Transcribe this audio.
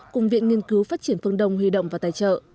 cùng viện nghiên cứu phát triển phương đông huy động và tài trợ